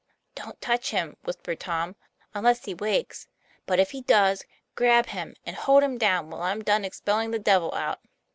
"Don't touch him," whispered Tom, "unless he wakes. But if he does, grab him, and hold him down till I'm done expelling the devil out."